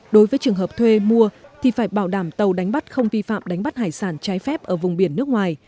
đối với trường hợp thuê mua thì phải bảo đảm tàu đánh bắt không vi phạm đánh bắt hải sản trái phép ở vùng biển nước ngoài